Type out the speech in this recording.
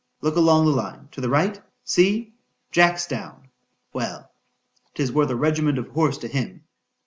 —Look along the line—to the right—see! Jack's down! well,—'tis worth a regiment of horse to him.